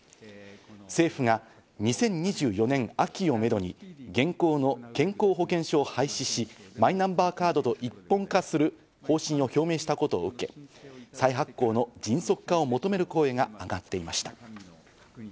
政府が２０２４年秋をめどに現行の健康保険証を廃止し、マイナンバーカードと一本化する方針を表明したことを受け、再発行の迅速化を求める声が上がっていました。